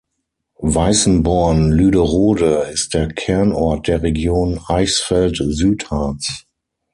Weißenborn-Lüderode ist der Kernort der Region Eichsfeld-Südharz.